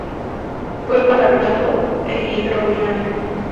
Cuerpo alargado e hidrodinámico.